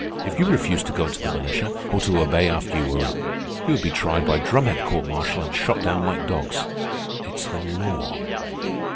If you refused to go into the militia, or to obey after you were in, you would be tried by drumhead court martial and shot down like dogs. It is the law."